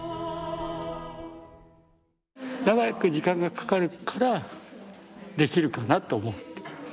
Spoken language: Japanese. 長く時間がかかるからできるかなと思って。